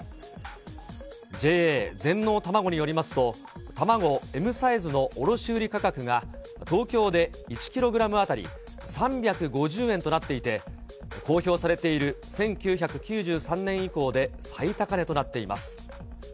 ＪＡ全農たまごによりますと、卵Ｍサイズの卸売価格が、東京で１キログラム当たり３５０円となっていて、公表されている１９９３年以降で最高値となっています。